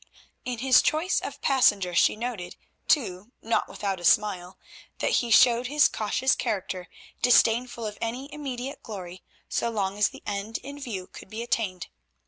In his choice of passenger she noted, too, not without a smile, that he showed his cautious character, disdainful of any immediate glory, so long as the end in view could be attained.